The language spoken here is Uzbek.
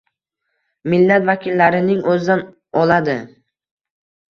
Millat vakillarining o‘zidan oladi.